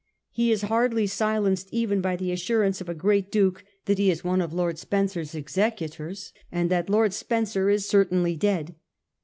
He is hardly silenced even by the assurance of a great duke that he is one of Lord Spencer's executors, and that Lord Spencer is certainly dead.